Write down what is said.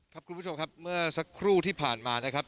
คุณผู้ชมครับเมื่อสักครู่ที่ผ่านมานะครับ